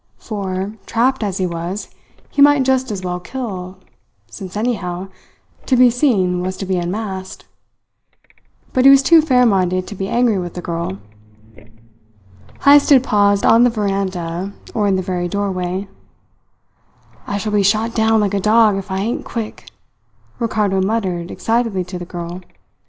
For, trapped as he was he might just as well kill, since, anyhow, to be seen was to be unmasked. But he was too fair minded to be angry with the girl. Heyst had paused on the veranda, or in the very doorway. "I shall be shot down like a dog if I ain't quick," Ricardo muttered excitedly to the girl.